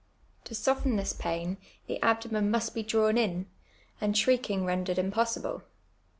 To soften this pain, the abdomen must be drawn in, and shriek ing rendered impossible.